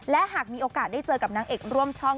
และหากมีโอกาสได้เจอกับนางเอกร่วมช่อง